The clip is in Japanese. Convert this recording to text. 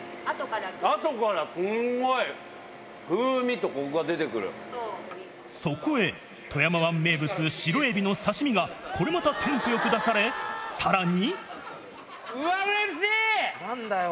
あとからすんごい風味とこくそこへ、富山湾名物、白エビの刺身が、これまたテンポよく出され、さらに。